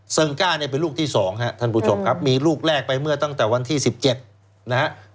เซิงก้าเนี้ยเป็นลูกที่สองฮะท่านผู้ชมครับมีลูกแรกไปเมื่อตั้งแต่วันที่สิบเจ็ดนะฮะ